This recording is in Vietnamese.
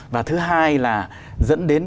và thứ hai là dẫn đến